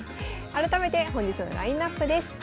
改めて本日のラインナップです。